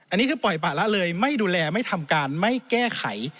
อันนี้คือปล่อยปะละเลยไม่ดูแลไม่ทำการไม่แก้ไข